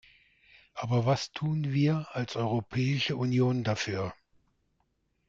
Aber was tun wir als Europäische Union dafür?